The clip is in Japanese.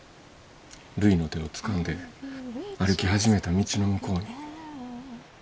るいの手をつかんで歩き始めた道の向こうに。